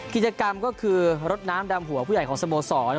กิจกรรมก็คือรถน้ำดำหัวผู้ใหญ่ของสโมสร